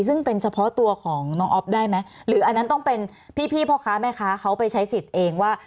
ซึ่งเป็นเฉพาะตัวของน้องอ๊อฟได้ไหมหรืออันนั้นต้องเป็นพี่พ่อค้าแม่ค้าเขาไปใช้สิทธิ์เองว่า